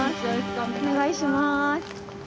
お願いします。